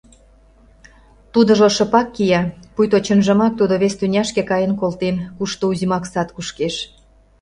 Тудыжо шыпак кия, пуйто чынжымак тудо вес тӱняшке каен колтен, кушто узьмак сад кушкеш.